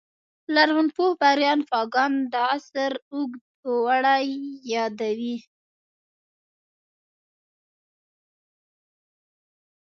لرغونپوه بریان فاګان دا عصر اوږد اوړی یادوي